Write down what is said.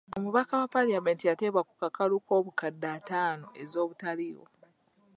Omubaka wa paalamenti yateebwa ku kakalu k'obukadde ataano ez'obutaliiwo.